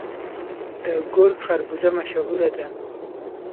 د ګرګک خربوزه مشهوره ده.